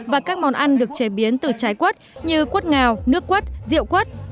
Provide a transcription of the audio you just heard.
và các món ăn được chế biến từ trái quất như quất ngào nước quất rượu quất